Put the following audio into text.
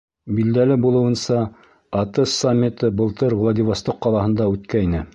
Билдәле булыуынса, АТЭС саммиты былтыр Владивосток ҡалаһында үткәйне.